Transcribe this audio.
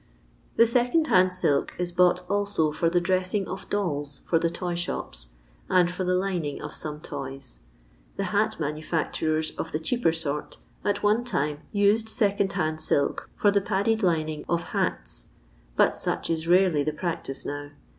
The second hand silk is bought also for the dressing of dolls for the toy shops, and for the lining of some toys. The hat manufacturers of the cheaper sort, at one time, used second hand silk for the padded lining of hats, but such is rarely the practice now.